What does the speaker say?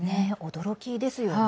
驚きですよね。